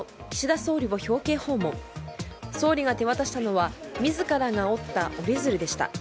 総理が手渡したのは自らが折った折り鶴でした。